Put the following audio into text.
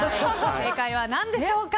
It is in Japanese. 正解は何でしょうか。